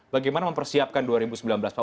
bagaimana mempersiapkan dua ribu sembilan belas pak